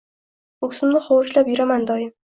Ko’ksimni hovuchlab yuraman doim.